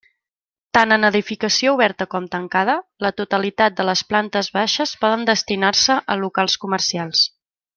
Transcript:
Tant en edificació oberta com tancada, la totalitat de les plantes baixes poden destinar-se a locals comercials.